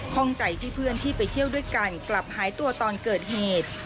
ข้องใจที่เพื่อนที่ไปเที่ยวด้วยกันกลับหายตัวตอนเกิดเหตุ